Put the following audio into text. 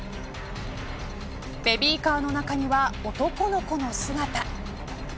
ベビーカーの中には男の子の姿。